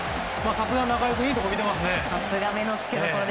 さすが中居君いいところ見ていますね。